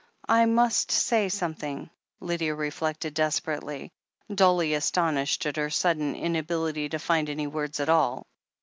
"I must say something," Lydia reflected desperately, dully astonished at her sudden inability to find any words at all.